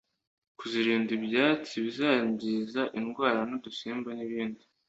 kuzirinda ibyatsi bizangiza, indwara n’udusimba, n’ibindi,